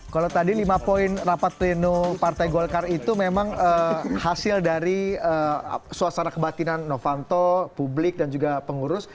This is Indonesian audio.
kalau tadi lima poin rapat pleno partai golkar itu memang hasil dari suasana kebatinan novanto publik dan juga pengurus